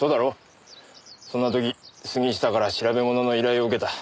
そんな時杉下から調べ物の依頼を受けた。